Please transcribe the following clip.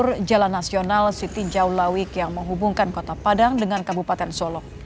menanggung jalan nasional siti jauhlawik yang menghubungkan kota padang dengan kabupaten solok